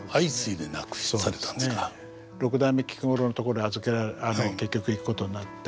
六代目菊五郎のところに結局行くことになって。